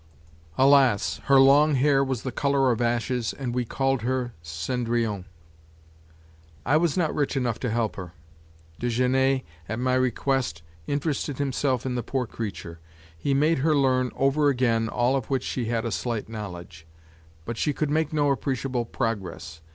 Alas! her long hair was the color of ashes and we called her Cendrillon. I was not rich enough to help her; Desgenais, at my request, interested himself in the poor creature; he made her learn over again all of which she had a slight knowledge. But she could make no appreciable progress.